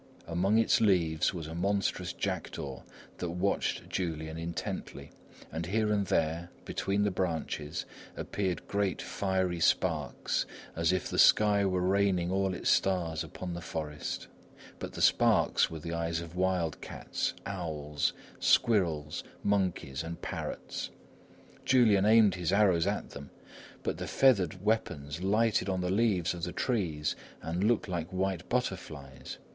Among its leaves was a monstrous jackdaw that watched Julian intently, and here and there, between the branches, appeared great, fiery sparks as if the sky were raining all its stars upon the forest. But the sparks were the eyes of wild cats, owls, squirrels, monkeys and parrots. Julian aimed his arrows at them, but the feathered weapons lighted on the leaves of the trees and looked like white butterflies.